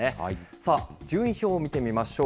さあ、順位表を見てみましょう。